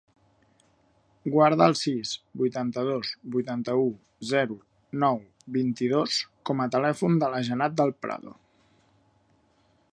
Guarda el sis, vuitanta-dos, vuitanta-u, zero, nou, vint-i-dos com a telèfon de la Jannat Del Prado.